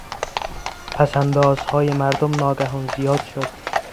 پساندازهای مردم ناگهان زیاد شد.